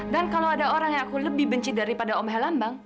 dan kalau ada orang yang aku lebih benci daripada om helambang